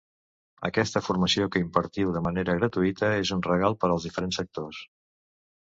Aquesta formació que impartiu de manera gratuïta, és un regal per als diferents sectors.